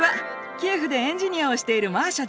キエフでエンジニアをしているマーシャです。